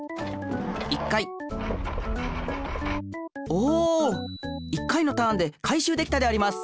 おお１回のターンで回しゅうできたであります。